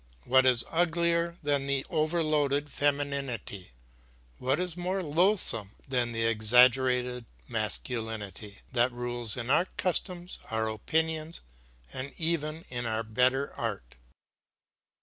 "What is uglier than the overloaded femininity, what is more loathesome than the exaggerated masculinity, that rules in our customs, our opinions, and even in our better art?"